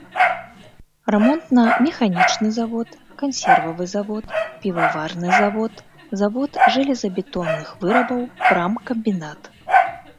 Рамонтна-механічны завод, кансервавы завод, піваварны завод, завод жалезабетонных вырабаў, прамкамбінат.